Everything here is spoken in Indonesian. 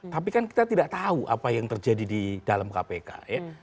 tapi kan kita tidak tahu apa yang terjadi di dalam kpk ya